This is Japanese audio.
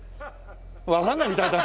わかんないみたいだ。